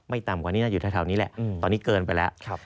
ต่ำกว่านี้น่าอยู่แถวนี้แหละตอนนี้เกินไปแล้ว